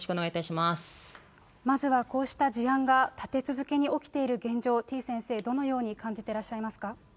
まずはこうした事案が立て続けに起きている現状、てぃ先生、どのように感じていらっしゃいますか。